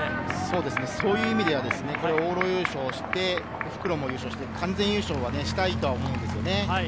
そういう意味では往路優勝して復路も優勝して、完全優勝したいと思うんですよね。